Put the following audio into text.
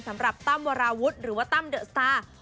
สำหรับตั้มวาราวุฒิหรือว่าตั้มเดอะสตาร์